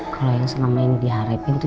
kalau yang selama ini diharapin tuh